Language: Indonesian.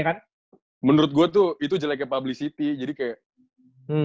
kan menurut gue tuh itu jeleknya publicity jadi kayak